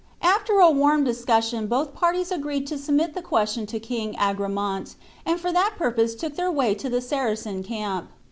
After a warm discussion both parties agreed to submit the question to King Agramant, and for that purpose took their way to the Saracen camp.